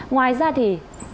ngoài ra thì